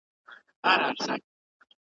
له ازله د خپل ځان په وینو رنګ یو ,